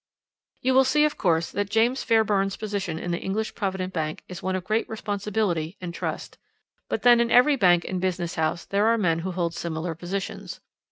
"You will see, of course, that James Fairbairn's position in the English Provident Bank is one of great responsibility and trust; but then in every bank and business house there are men who hold similar positions.